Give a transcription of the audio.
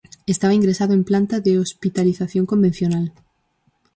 Estaba ingresado en planta de hospitalización convencional.